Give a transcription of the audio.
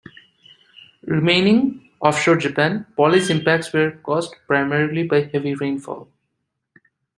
Remaining offshore Japan, Polly's impacts were caused primarily by heavy rainfall.